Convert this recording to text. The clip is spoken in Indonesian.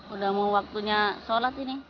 udah mau waktunya sholat ini